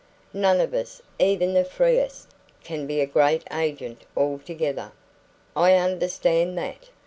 None of us, even the freest, can be a free agent altogether; I understand that.